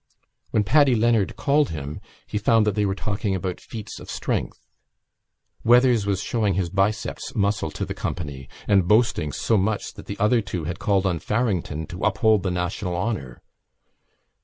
When Paddy Leonard called him he found that they were talking about feats of strength. Weathers was showing his biceps muscle to the company and boasting so much that the other two had called on Farrington to uphold the national honour.